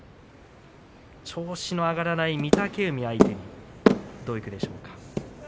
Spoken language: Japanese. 調子の上がらない御嶽海相手にどういくでしょうか。